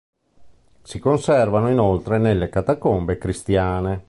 Si conservano inoltre delle catacombe cristiane.